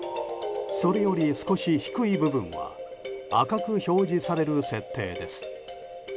それより少し低い部分は赤く表示される設定です。